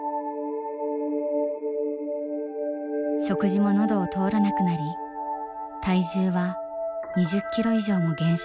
食事も喉を通らなくなり体重は２０キロ以上も減少。